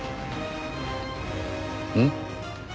うん？